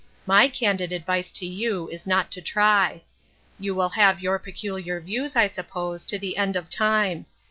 My candid advice to you is not to try. You will have your peculiar views, I suppose, to the end of time.